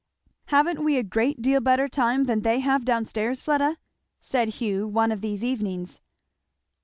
"Haven't we a great deal better time than they have down stairs, Fleda?" said Hugh one of these evenings.